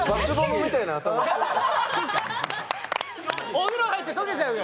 お風呂入ってとけちゃうよね。